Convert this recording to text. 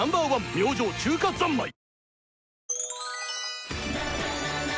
明星「中華三昧」あ！